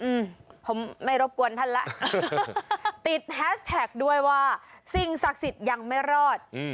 อืมผมไม่รบกวนท่านแล้วติดแฮชแท็กด้วยว่าสิ่งศักดิ์สิทธิ์ยังไม่รอดอืม